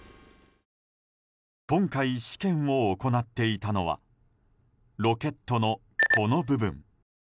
今回、試験を行っていたのはロケットのこの部分。